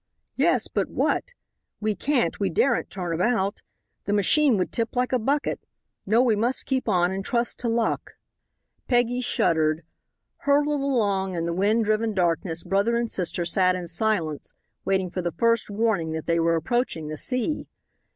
"Yes, but what? We can't, we daren't turn about. The machine would tip like a bucket. No, we must keep on and trust to luck." Peggy shuddered. Hurtled along in the wind driven darkness, brother and sister sat in silence, waiting for the first warning that they were approaching the sea.